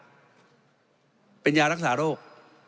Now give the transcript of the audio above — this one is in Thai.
ถามว่ามันจะมีอะไรเดือดร้อนไหมถ้าไม่มีกัญชาเป็นยารักษารโรค